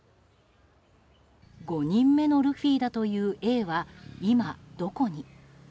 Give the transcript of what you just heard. ５人目のルフィだというＡは今、どこに。